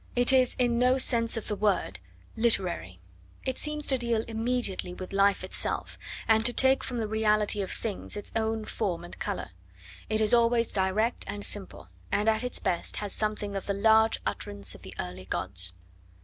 It is, in no sense of the word, literary; it seems to deal immediately with life itself, and to take from the reality of things its own form and colour; it is always direct and simple, and at its best has something of the 'large utterance of the early gods.'